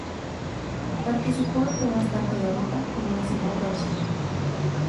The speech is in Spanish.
Participó en pruebas tanto de ruta como de ciclocrós.